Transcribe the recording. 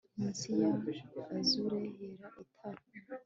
Munsi ya azure yera itara